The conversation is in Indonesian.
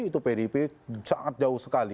itu pdi perjuangan sangat jauh sekali